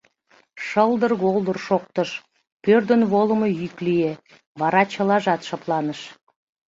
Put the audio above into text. Шылдыр-голдыр шоктыш, пӧрдын волымо йӱк лие, вара чылажат шыпланыш.